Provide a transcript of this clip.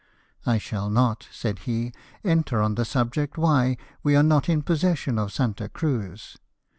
" I shall not," said he, " enter on the subject why we are not in possession of Santa Cruz.